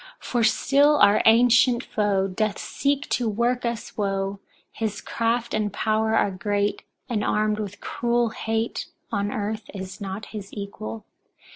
For still our ancient foe doth seek to work us woe; his craft and power are great, and armed with cruel hate, on earth is not his equal.